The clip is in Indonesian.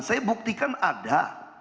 saya buktikan ada